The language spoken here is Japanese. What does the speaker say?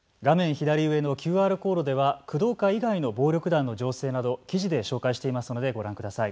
左上のＱＲコードでは工藤会以外の暴力団の情勢など記事で紹介していますのでご覧ください。